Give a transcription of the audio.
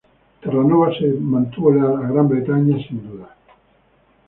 Terranova se mantuvo leal a Gran Bretaña sin duda.